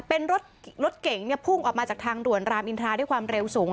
เป็นรถเก่งพุ่งออกมาจากทางด่วนรามอินทราด้วยความเร็วสูง